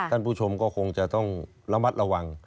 ท่านผู้ชมก็คงจะต้องระมัดระวัง